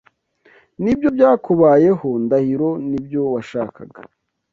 Nibyo byakubayeho, Ndahiro ? Nibyo washakaga?